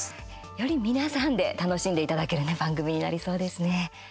より皆さんで楽しんでいただける番組になりそうですね。